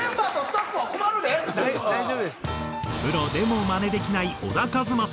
プロでもマネできない小田和正。